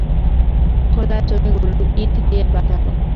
খোলা জমিগুলো ইট দিয়ে বাঁধানো।